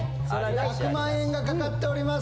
１００万円が懸かっております